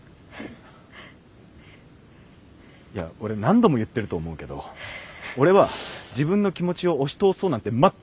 いや俺何度も言ってると思うけど俺は自分の気持ちを押し通そうなんて全く思ってない。